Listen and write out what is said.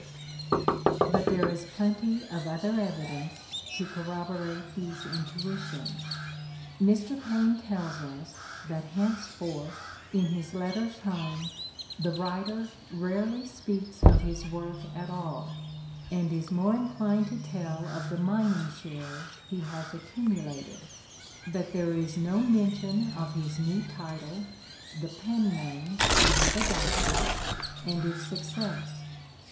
In the Crucible 85 But there is plenty of other evidence to corroborate these intuitions. Mr. Paine tells us that henceforth, in his letters home, "the writer rarely speaks of his work at all, and is more inclined to tell of the mining shares he has accumulated," that there is "no mention of his new title" — the pen name he had adopted — "and its success."